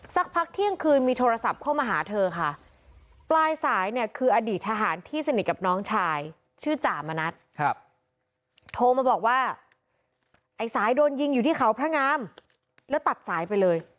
สักพักเที่ยงคืนมีโทรศัพท์เข้ามาหาเธอค่ะปลายสายเนี่ยคืออดีตทหารที่สนิทกับน้องชายชื่อจ่ามณัฐโทรมาบอกว่าไอ้สายโดนยิงอยู่ที่เขาพระงามแล้วตัดสายไปเลย